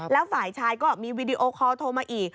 แล้วฝ่ายชายก็มีวีดีโอคอลโทรมาอีก